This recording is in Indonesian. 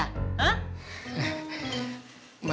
kamu dengerin saya nelfon ya